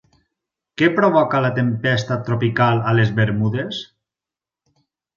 Què provoca la tempesta tropical a les Bermudes?